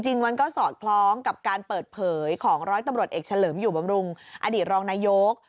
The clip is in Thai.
จริงมันก็สอดคล้องกับการเปิดเผยของร้อยตำรวจเอกเฉลิมอยู่บำรุงอดีตรองนายก